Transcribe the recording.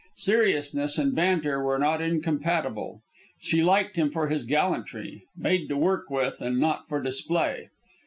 Seriousness and banter were not incompatible. She liked him for his gallantry, made to work with and not for display.